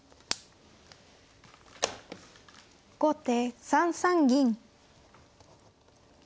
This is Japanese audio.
後手３三銀。